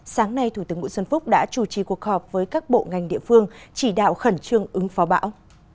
sáng nay thủ tướng nguyễn xuân phúc đã chủ trì cuộc họp với các bộ ngành địa phương chỉ đạo khẩn trương ứng phó bão